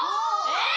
えっ！？